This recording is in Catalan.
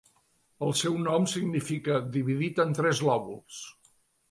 El seu nom significa "dividit en tres lòbuls".